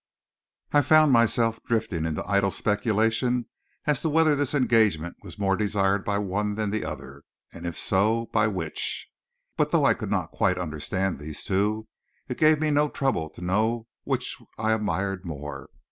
I found myself drifting into idle speculation as to whether this engagement was more desired by one than the other, and if so, by which. But though I could not quite understand these two, it gave me no trouble to know which I admired more.